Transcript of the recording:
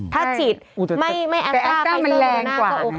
ถ้าฉีดไม่แอสตาร์ไฟเซอร์มันแรงกว่า